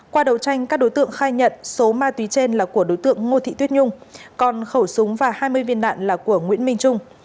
qua đầu tranh các đối tượng khai nhận số ma túy trên là của đối tượng ngô thị tuyết nhung còn khẩu súng và hai mươi viên đạn là của nguyễn minh trung